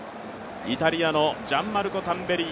イタリアのジャンマルコ・タンベリ。